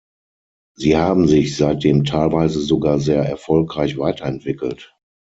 Sie haben sich seitdem teilweise sogar sehr erfolgreich weiterentwickelt.